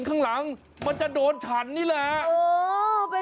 คุณสมัครค่ะคุณสมัครค่ะ